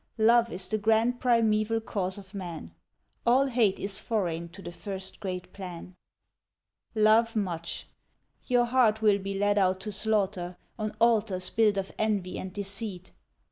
Love is the grand primeval cause of man. All hate is foreign to the first great plan. Love much. Your heart will be led out to slaughter, On altars built of envy and deceit.